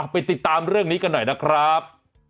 ไปติดตามเรื่องนี้กันหน่อยนะครับ